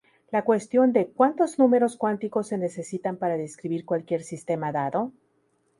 La cuestión de "¿cuántos números cuánticos se necesitan para describir cualquier sistema dado?